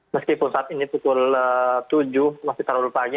meskipun saat ini pukul tujuh masih terlalu pagi